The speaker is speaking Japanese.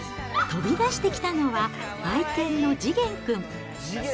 飛び出してきたのは、愛犬のじげんくん。